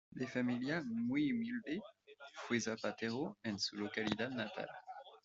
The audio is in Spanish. De familia muy humilde, fue zapatero en su localidad natal.